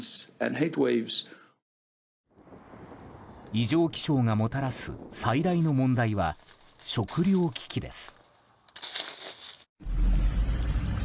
異常気象がもたらす最大の問題は食糧危機です。